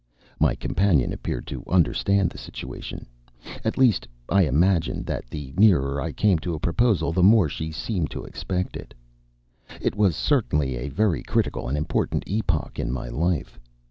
My companion appeared to understand the situation at least, I imagined that the nearer I came to a proposal the more she seemed to expect it. It was certainly a very critical and important epoch in my life.